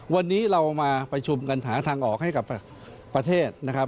วันนี้เรามาประชุมกันหาทางออกให้กับประเทศนะครับ